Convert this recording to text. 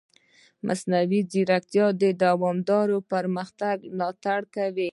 مصنوعي ځیرکتیا د دوامدار پرمختګ ملاتړ کوي.